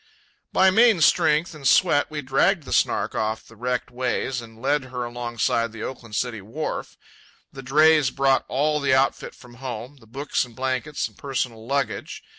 By main strength and sweat we dragged the Snark off from the wrecked ways and laid her alongside the Oakland City Wharf. The drays brought all the outfit from home, the books and blankets and personal luggage.